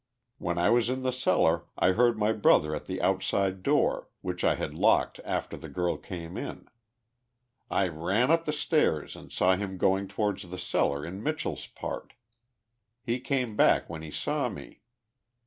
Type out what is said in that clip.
"When I was in the cellar I heard ray brother at the outside door, which I had locked after the girl came in. I ran up the stairs and saw him going towards the cellar in Mitchell's part. lie came back when he saw me.